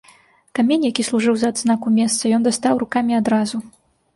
Камень, які служыў за адзнаку месца, ён дастаў рукамі адразу.